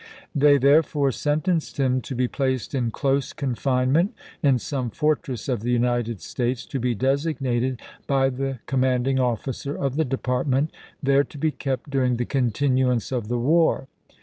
They therefore sentenced him to be placed in close confinement in some fortress of the United States, to be designated by the command ing officer of the department, there to be kept during the continuance of the war.